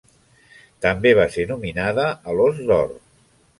També va ser nominada a l'Ós d'Or.